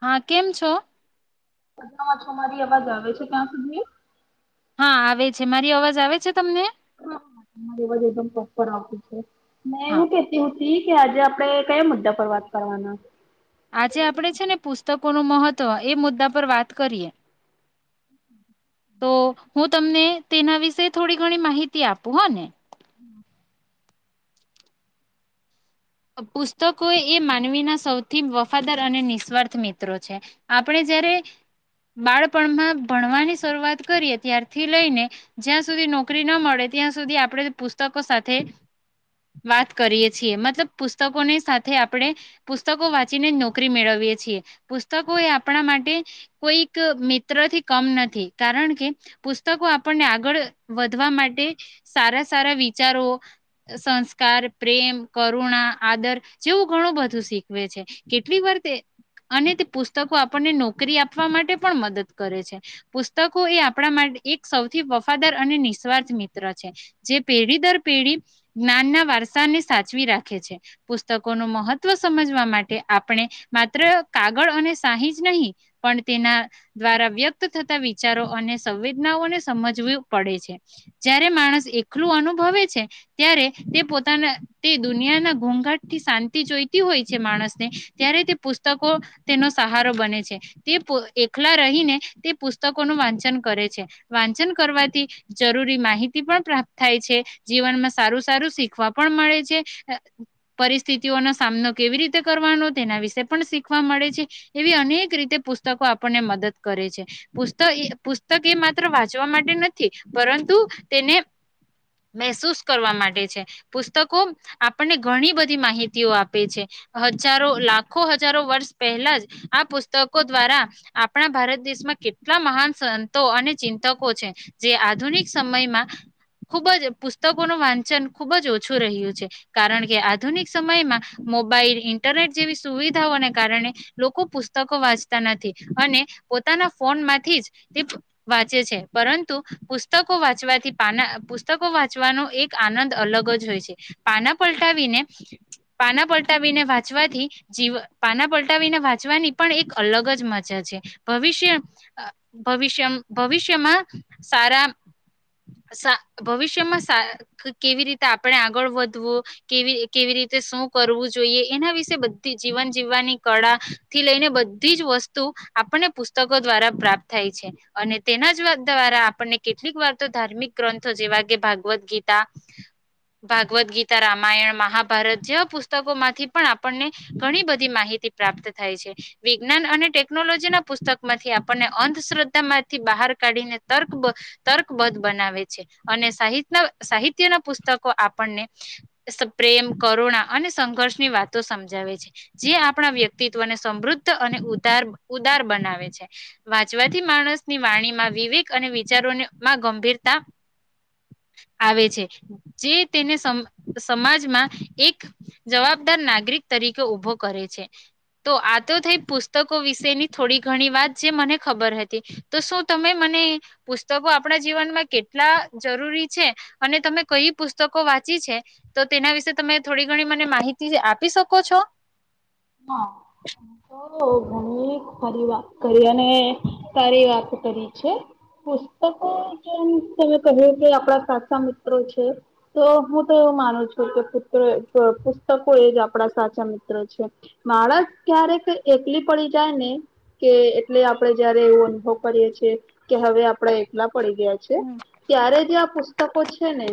હા, કેમ છો? મજામાં છુ. મારી અવાજ આવે છે ત્યાં સુધી? હા આવે છે. મારી અવાજ આવે છે તમને? તમારું અવાજ એકદમ પ્રોપર આવતું છે. મે હા હું કેહતી હ તી કે આજે આપડે કયે મુદ્દા પર વાત કરવાના? આજે આપડે છે ને પુસ તકોનો મહત્વ, એ મુદ્દા પર વાત કરીએ. તો હું તમને તેના વિશે થોડી ઘણી માહિતી આપું હો ને. હમ. અ પુસ્તકો એ માનવીના સૌથી વફાદાર અને નિસ્વાર્થ મિત્રો છે. આપણે જયારે બાળપણમાં ભણવાની શરૂઆત કરીએ ત્યારથી લઈને જ્યાં સુધી નોકરી ના મળે ત્યાં સુધી આપણે પુસ્તકો સાથે વાત કરીએ છીએ મતલબ પુસ્તકોની સાથે આપણે પુસ્તકો વાંચીને જ નોકરી મેળવીએ છીએ. પુસ્તકો એ આપણા માટે કોઈક મિત્ર થી કમ નથી કારણ કે પુસ્તકો આપણને આગળ વધવા માટે સારા સારા વિચારો સંસ્કાર, પ્રેમ, ક કરુણા, આદર જેવું ઘણું બધું શીખવે છે. કેટલી વાર તે અને તે પુસ્તકો આપણને નોકરી આપવા માટે પણ મદદ કરે છે. પુસ્તકો એ આપણા માટે એક સૌથી વફાદાર અને નિસ્વાર્થ મિત્ર છે. જે પેઢી દર પેઢી જ્ઞાનના વારસાને સાચવી રાખે. ખે છે. પુસ્તકોનું મહત્વ સમજવા માટે આપણે માત્ર કાગળ અને સાહી જ નહીં પણ તેના દ્વારા વ્યક્ત થતા વિચારો અને સંવેદનાઓને સમજવું પડે છે. જ્યારે માણસ એકલું અનુભવે છે ત્યારે તે પોતાના તે દુનિયાના ઘોંઘાટ થી શાંતિ જોઈતી હોય છે માણસને ત્યારે તે પુસ્તકો તેનો સહારો બને છે. તે પો એકલા રહીને તે પુસ્તકોનું વાંચન કરે છે. વાંચન કરવાથી જરૂરી માહિતી પણ પ્રાપ્ત થાય છે. જીવનમાં સારું સારું શીખવા પણ મળે છે. પરિસ્થિતિઓનો સામનો કેવી રીતે કરવાનો તેના વિશે પણ શીખવા મળે છે. એવી અનેક રીતે પુસ્તકો આપણને મદદ કરે છે. પુસ્ત એ પુસ્તક એ માત્ર વાંચવા માટે નથી પરંતુ તેને મહેસૂસ કરવા માટે છે. પુસ્તકો આપણને ઘણી બધી માહિતીઓ આપે છે. હજારો લાખો હજારો વર્ષ પહેલા જ આ પુસ્તકો દ્વારા આપણા ભારત દેશમાં કેટલા મહાન સંતો અને ચિંતકો છે જે આધુનિક સમયમાં ખુબ જ પુસ્તકોનું વાંચન ખુબ જ ઓછું રહ્યું છે. કારણ કે આધુનિક સમયમાં મોબાઈલ, ઇન્ટરનેટ જેવી સુવિધાઓને કારણે લોકો પુસ્તકો વાંચતા નથી અને પોતાના ફોનમાંથી જ તે વાંચે છે. પરંતુ પુસ્તકો વાંચવાથી પાના અ પુસ્તકો વાંચવાનો એક આનંદ અલગ જ હોય છે. પાના પલટાવીને, પાના પલટાવીને વાંચવાથી જીવ પાના પલટાવીને વાંચવાની પણ એક અલગ જ મજા છે ભવિષ્ય ભવિષ્ય, ભવિષ્યમાં સારા સા ભવિષ્યમાં સા કેવી રીતે આપણે આગળ વધવું કે કેવી રીતે શું કરવું જોઈએ એના વિશે બધી જીવન જીવવાની કળા થી લઈને બધી જ વસ્તુ આપણને પુસ્તકો દ્વારા પ્રાપ્ત થાય છે. અને તેના જ દ્વારા આપણને કેટલીક વાર તો ધાર્મિક ગ્રંથો જેવા કે ભાગવદ્ ગીતા, ભાગવદ ગીત તા રામાયણ, મહાભારત જેવા પુસ્તકો માંથી પણ આપણને ઘણી બધી માહિતી પ્રાપ્ત થાય છે. વિજ્ઞાન અને ટેકનોલોજીના પુસ્તક માંથી આપણને અંધશ્રદ્ધા માંથી બહાર કાઢીને તર્ક તર્કબદ્ધ બનાવે છે. અને સાહિતના સાહિત્યના પુસ્તકો આપણને પ્રેમ કરુણા અને સંઘર્ષની વાતો સમજાવે છે. જે આપણા વ્યક્તિત્વને સમૃદ્ધ અને ઉદાર, ઉદાર બનાવે છે. વાંચવાથી માણસની વાણીમાં વિવેક અને વિચારોમાં ગંભીરતા આવે છે. જે તેને સમ સમાજમાં એક જવાબદાર નાગરિક તરીકે ઉભો કરે છે. તો આ તો થઈ પુસ્તકો વિશેની થોડી ઘણી વાત જે મને ખબર હતી, તો શું તમે મને પુસ્તકો આપણા જીવનમાં કેટલા જરૂરી છે, અને તમે કઈ પુસ્તકો વાંચી છે તો તેના વિશે તમે થોડી ઘણી મને માહિતી આપી શકો છો? હા, હું તો ઘણી સારી વાત કરી અને સારી વાત કરી છે. પુસ્તકો જેમ તમે કહ્યું કે આપડા સાચા મિત્રો છે, તો હું તો એવું માનું છું કે પુત્ર પુસ્તકો એ જ આપડા સાચા મિત્રો છે. માણસ ક્યારેક એકલી પડી જાય ને કે એટલે આપણે જયારે એવો અનુભવ કરીએ છીએ કે હવે આપડા એકલા પડી ગયા છે હમ ત્યારે જે આ પુસ્તકો છે ને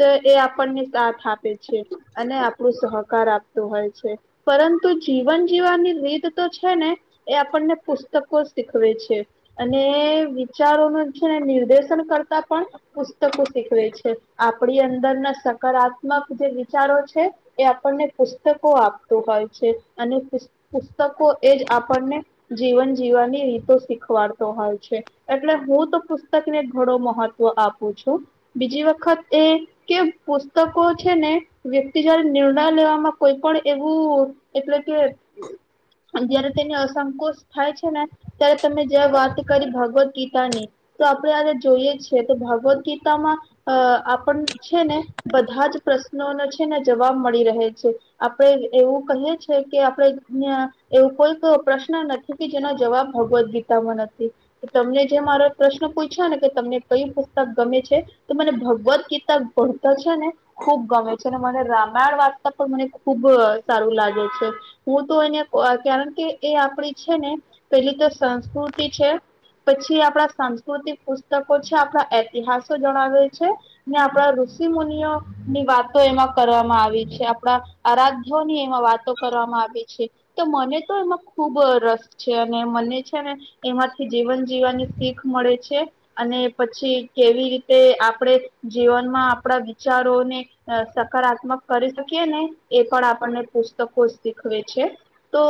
તો એ આપણને સાથ આપ પે આપ છે. અને આપણું સહ કાર આપતું હોય છે, પરં તુ જીવન જીવવાની રીત તો છે ને એ આપણને પુસ્તકોજ શીખવે છે, અને વિચારોનું જ જે નિર્દેશન કરતા પણ પુસ્તકો શીખવે છે. આપડી અંદરના સકારાત્મક જે વિચારો છે એ આપણને પુસ્તકો આપતું હોય. છે. અને પુસ પુસ્તકો એ જ આપણને જીવન જીવવાની રીતો શીખવાડતો હોય છે, એટલે હું તો પુસ્તકને ઘણો મહત્વ આપું છું. બીજી વખત એ કે પુસ્તકો છે ને વ્યક્તિ જ્યારે નિર્ણય લેવામાં કોઈ પણ એવું એટલે કે જયારે તેને અસંકોચ થાય છે ને ત્યારે તમે જ વાત કરી ભગવદ્ ગીતા ની તો આપણેે જોઈએ છીએ તો ભગવદ્ ગીતામાં અહ આપણને છે, ને બધા જ પ્રશ્નોનો છે ને જવાબ મળી રહે છે. આપણે એવું કહીએ છે કે આપડે અહ એવું કોઈક પ્રશ્ન નથી કે જેનો જવાબ ભગવદ્ ગીતામાં નથી, તો તમને જે મારો પ્રશ્ન પૂયછો ને કે તમને કયું પુસ્તક ગમે છે, તો મને ભગવદ ગીતા ભણતા છે ને ખુબ ગમે છે. અને મને રામાયણ વાર્તા પણ મને ખુબ સારું લાગે- છે. હું તો એને અહ કારણ કે એ આપડી છે ને પેલી તો સંસ્કૃતિ છે, પછી આપણા સાંસ્કૃતિક પુસ્તકો છે આપણા ઐતિહાસો જણાવે છે, ને આપણા ઋષિ મુનિઓની વાતો એમાં કરવામાં આવી છે. આપણા આરાધ્યોની એમાં વાત- તો કરવામાં આવી છે, તો મને તો એમાં ખુબ રસ છે, અને મને છે ને- એમાંથી જીવન જીવવાની શીખ મળે છે, અને પછી કેવી રીતે આપણે જીવનમાં આપણા વિચારોને સકારાત્મક કરી શકીએ ને એ પણ આપણને પછ કો શીખવે છે. તો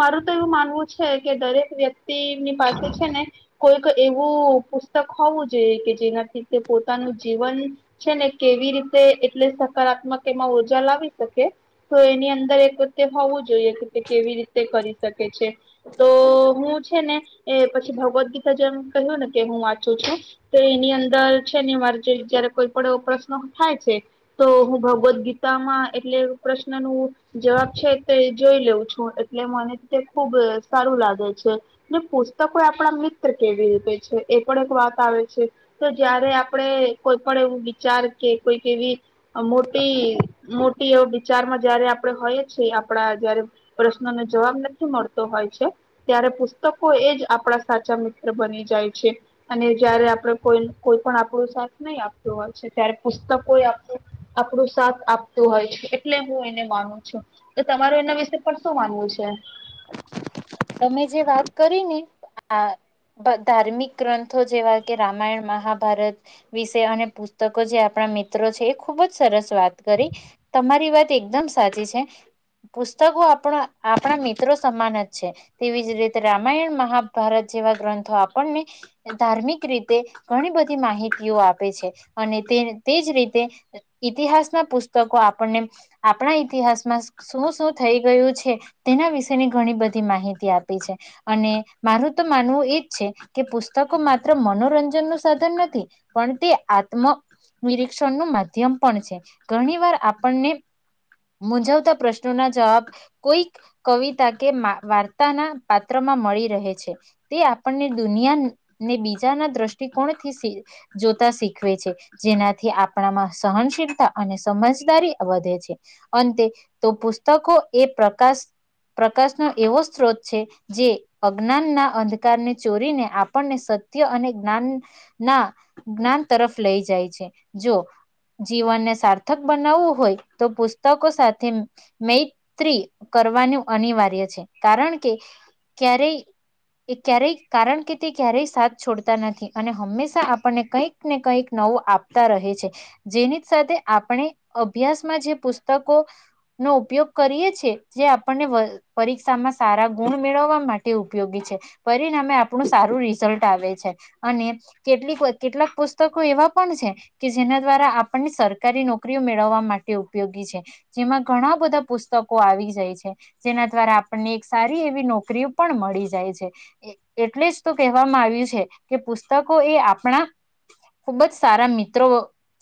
મારું તો એવું માનવું છે કે દરેક વ્યક્તિની પાસે છે ને કોઈક એવું પુસ્તક હોવું જોઈએ કે જેનાથી તે પોતાનું જીવન છે ને કેવી રીતે એટલે સકારાત્મક એમાં ઊર્જા લાવી શકે, તો એની અંદર અંદર એક હોવું જોઈએ કે તે કેવી રીતે કરી શકે છે. તો હું છ છે ને એ પછી ભગવદ્ ગીતા જેમ કહ્યું ને કે હું વાંચું છું, તો એની અંદર છે ને મારે જે જયારે કોઈ પણ પ્રશ્ન હોય છે તો હું ભગવદ્ ગીતામાં એટલે પ્રશ્ન નું જવાબ છે તે જોઈ લેઉં છું એટલે મને તે ખુબ સારું લાગે છે. ને પુસ્તકો આપણા મિત્ર કેવી રીતે છે એ પણ એક વાત આવે છે. તો જયારે આપણે કોઈ પણ એવું વિચાર કે કોઈક એવી અહ મોટી મો ટીઓ વિચારમાં જયારે આ આપણે હોય છીએ આપડા જયારે પ્રશ્નો નો જવાબ નથી મળતો હોય છે. ત્યારે પુસ્તકો એજ આપડા સાચા મિત્ર ત્ર બની જાય છે અને જયારે આપડે કોઈ કોઈ પણ આપણું સાથ નહી આપતું હોય છે ત્યારે પુસ્તકોએ આપણું આપણું સાથ આપ હોય છે એટલે હું એને માનું. [unintelligible] તો તમારું એના વિશે પણ શું માનવું છે. તમે જે વાત કરી ને આ ધાર્મિક ગ્રંથો જેવા કે રામાયણ મહાભારત વિશે અને પુસ્તકો જે આપણા મિત્રો છે એ ખુબજ સરસ વાત કરી તમારી વાત એકદમ સાચી છે પુસ્તકો આપણા આપણા મિત્ર મિત્રો સમાન જ છે તેવી જ રીતે રામાયણ મહાભારત જેવા ગ્રંથો આપણને ધાર્મિક રીતે ઘણી બધી માહિતીઓ આપે છે અને તે તેજ રીતે ઈતિહાસના પુસ્તકો આપણને આપણા ઈતિહાસમાં શું શું થઈ ગયું છે તેના વિશે ઘણી બધી માહિતી આપી છે અને મારું તો માનવું એજ છે કે પુસ્તકો માત્ર મનોરંજન નું સાધન નથી પણ તે આત્મ નિરીક્ષણ નું માધ્યમ પણ છે ઘણી વાર આપણને મૂઝવતા પ્રશ્નો ના જવાબ કોઈક કવિ કે વાર્તાના પાત્ર માં મળી રહે છે તે આપણને દુનિયાને બીજાના દ્રષ્ટિકોણથી જોતા શીખવે છે જેનાથી આપણામાં સહનશીલતા અને સમજદારી વધે છે અંતે તો પુસ્તકો એ પ્રકાશ પ્રકાશનો એવો સ્ત્રોત છે જે અજ્ઞાન ના અંધકારને ચોરીને આપણને સત્ય અને જ્ઞાન ના જ્ઞાન તરફ લઈ જાય છે જો જીવનને સાર્થક બનાવવું હોય તો પુસ્તકો સાથે મૈત્રી કરવાનું અનિવાર્ય છે કારણ કે ક્યારેય ક્યારેય કારણ કે તે ક્યારેય સાથ છોડતા નથી અને હંમેશા આપણને કંઈક ને કંઈક નવું આપતા રહે છે જેની સાથે આપણે અભ્યાસમાં જે પુસ્તકો નો ઉપયોગ કરીએ છેએ જે આપ આપણને પરીક્ષામાં સારા ગુણ મેળવવા માટે ઉપયોગી છે પરિણામે આપણું સારું રિઝલ્ટ આવે છે અને કેટલીક કેટલાક પુસ્તકો એવા પણ છે કે જેના દ્વારા આપણને સરકારી નોકરીઓ મેળવવા માટે ઉપયોગી છે જેમાં ઘણા બધા પુસ્તકો આવી જાય છે. જેના દ્વારા આપણને એક સારી એવી નોકરીઓ પણ મળી જાય છે એટલે જ તો કહેવામાં આવ્યું છે કે પુસ્તકો એ આપણા ખુબ જ સારા મિત્રો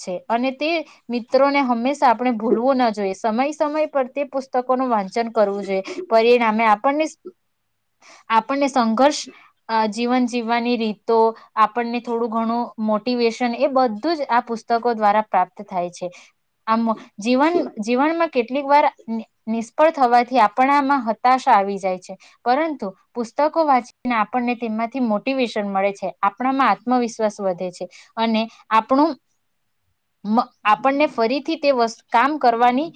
છે અને તે મિત્રોને હંમેશા આપણે ભૂલવું ન જોઈએ સમય સમય પર તે પુસ્તકો ન વાંચન કરવું જોઈએ પરિણામે આપણને આપણને સંઘર્ષ જીવન જીવવાની રીતો આપણને થોડું ઘણું મોટિવેશન એ બધું જ આ પુસ્તકો દ્વારા પ્રાપ્ત થાય છે આ જીવન જીવનમાં કેટલીક વાર નિષ્ફળ થવાથી આપણામાં હતાશ આવી જાય છે પરંતુ પુસ્તકો વાંચીને આપણને તેમાંથી મોટિવેશન મળે છે આપણામાં આત્મવિશ્વાસ વધે છે અને આપણું આપણને ફરીથી તે કામ કરવાની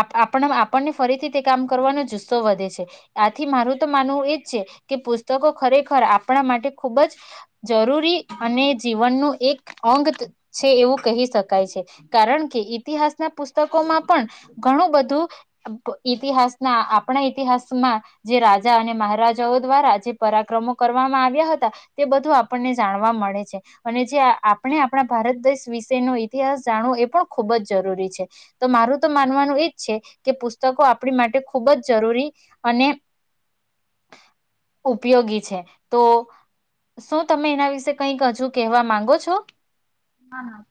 આપણા આપણને ફરીથી તે કામ કરવાનો જુસ્સો વધે છે આથી મારું તો માનવું એજ છે કે પુસ્તકો ખરેખર આપણા માટે ખુબ જ જરૂરી અને જીવનનું એક અંગ છે એવું કહી શકાય છે કારણ કે ઈતિહાસના પુસ્તકોમાં પણ ઘણું બધું ઈતિહાસના આપણા ઈતિહાસમાં, જે રાજા અને મહારાજાઓ દ્વારા જે પરાક્રમો કરવામાં આવ્યા હતા, તે બધું આપણને જાણવા મળે છે, અને જે આપણે આપણા ભારત દેશ વિશે ન ઈતિહાસ જાણવો એ પણ ખુબ જ જરૂરી છે, તો મારું તો માનવાનું એજ છે, કે પુસ્તકો આપણી માટે ખૂબ જ જરૂરી અને, ઉપયોગી છે, તો શું તમે એના વિશે કઈક હજુ કહેવા માંગો છો? ના ના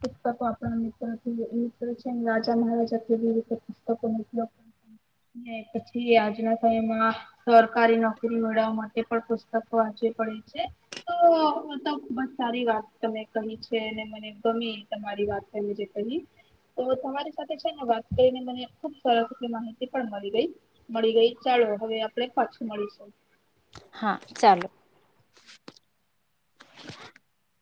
પુસ્તકો આપણાં મિત્ર મિત્ર છે રાજા મહારાજા કેવી રીતે પુસ્તકો નથી ને પછી આજના સમયમાં સરકારી નોકરી મેળવવા માટે પણ પુસ્તકો [unintelligible] વાચી પડે છે, તો બસ સારી વાત તમે કહી છે અનેને મને ગમી તમારી વાત એ જે કહી, તો તમારી સાથે છે ને વાત કરીને મને ખુબ સરસ રીતે માહિતી પણ મળી ગઈ મળી ગઈ ચાલો. હવે આપણે પાછું મળીશું. હા [inaudible]